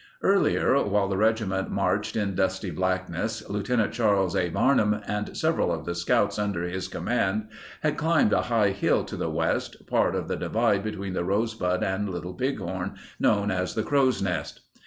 Earlier, while the regiment marched in dusty blackness, Lt. Charles A. Varnum and several of the scouts under his command had climbed a high hill to the west, part of the divide between the Rosebud and Little Bighorn, known as the Crow's Nest.